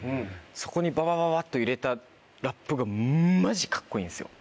そこにばばばばっと入れたラップがマジカッコいいんですよ